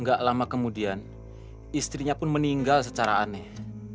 gak lama kemudian istrinya pun meninggal secara aneh